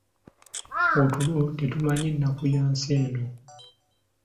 Otulo tetumanyi nnaku ya nsi eno.